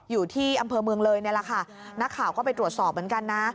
อยู่ที่อำเภอเมืองเลยนี่แหละค่ะนักข่าวก็ไปตรวจสอบเหมือนกันนะ